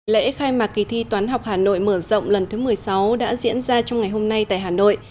lễ khai mạc kỳ thi toán học hà nội mở rộng lần thứ một mươi sáu đã diễn ra trong ngày hôm nay tại hà nội